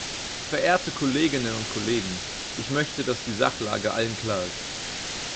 Verehrte Kolleginnen und Kollegen, ich möchte, dass die Sachlage allen klar ist.